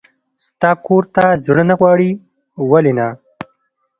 ستا کور ته زړه نه غواړي؟ ولې نه.